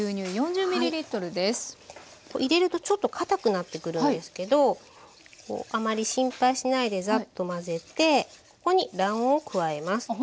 入れるとちょっと堅くなってくるんですけどあまり心配しないでザッと混ぜてここに卵黄を加えます。